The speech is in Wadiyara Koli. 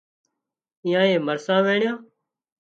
ايئانئي مرسان وينڻيان